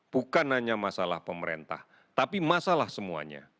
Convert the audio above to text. bukan hanya masalah pemerintah tapi masalah semuanya